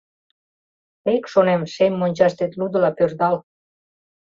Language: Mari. «Тек, — шонем, — шем мончаштет лудыла пӧрдал.